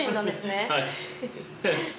はい。